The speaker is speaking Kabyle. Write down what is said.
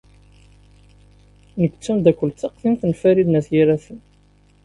Nekk d tameddakelt taqdimt n Farid n At Yiraten.